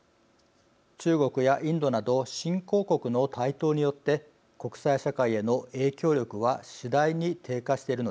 中国やインドなど新興国の台頭によって国際社会への影響力は次第に低下しているのです。